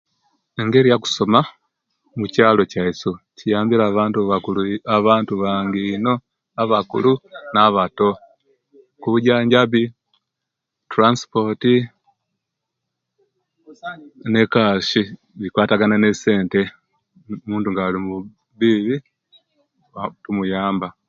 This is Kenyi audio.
Engeri yokusoma omukyaalo kyaisu kuyambira abantu bangi ino abakulu nabato kujanjabi turansipoti ne'kaashi bikwatagane ne'sente muntu nga ali kubibi tumuyamba.